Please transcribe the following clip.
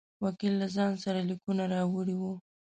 وکیل له ځان سره لیکونه راوړي وه.